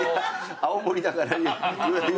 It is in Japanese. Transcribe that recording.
青森だから。